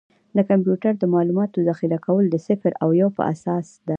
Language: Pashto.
د کمپیوټر د معلوماتو ذخیره کول د صفر او یو په اساس ده.